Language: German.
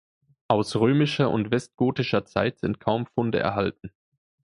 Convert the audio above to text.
Aus römischer und westgotischer Zeit sind kaum Funde erhalten.